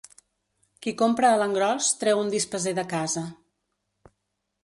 Qui compra a l'engròs treu un dispeser de casa.